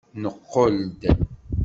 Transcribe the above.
Neqqel-d.